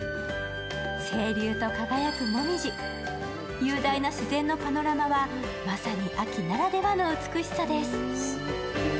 清流と輝くもみじ、雄大な自然のパノラマはまさに秋ならではの美しさです。